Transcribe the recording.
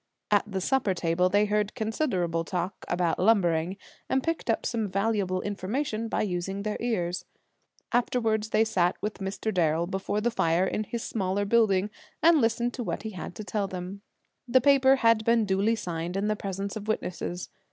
At the supper table they heard considerable talk about lumbering, and picked up some valuable information by using their ears. Afterward they sat with Mr. Darrel before the fire in his smaller building, and listened to what he had to tell them. The paper had been duly signed in the presence of witnesses.